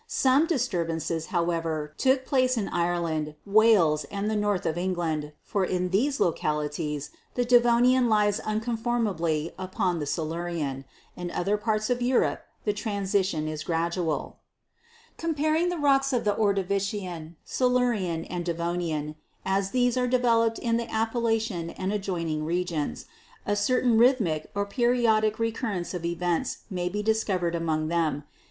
Some disturbances, how ever, took place in Ireland, Wales and the north of England, for in these localities the Devonian lies uncon formably upon the Silurian. In other parts of Europe the transition was gradual. "Comparing the rocks of the Ordovician, Silurian and Devonian as these are developed in the Appalachian and adjoining regions, a certain rhythmic or periodic recur rence of events may be discovered among them.